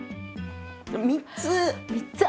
３つ。